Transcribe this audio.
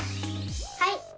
はい！